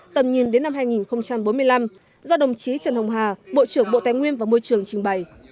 tầm nhìn đến năm hai nghìn bốn mươi năm do đồng chí trần hồng hà bộ trưởng bộ tài nguyên và môi trường trình bày